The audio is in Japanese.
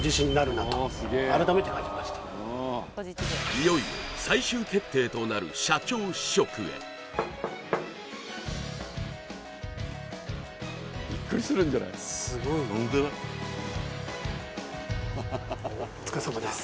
いよいよ最終決定となる社長試食へお疲れさまです